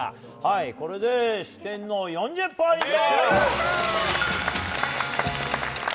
これで、四天王は４０ポイント！